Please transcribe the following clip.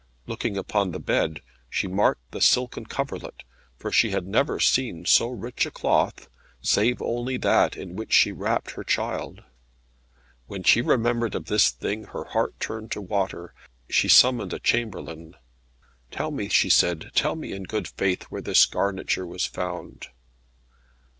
Looking upon the bed she marked the silken coverlet, for she had never seen so rich a cloth, save only that in which she wrapped her child. When she remembered of this thing, her heart turned to water. She summoned a chamberlain. "Tell me," she said, "tell me in good faith where this garniture was found."